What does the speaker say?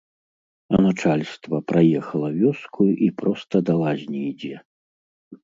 А начальства праехала вёску і проста да лазні ідзе.